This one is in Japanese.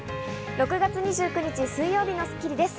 ６月２９日、水曜日の『スッキリ』です。